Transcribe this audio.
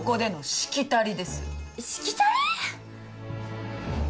しきたり？